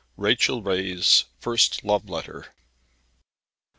RACHEL RAY'S FIRST LOVE LETTER.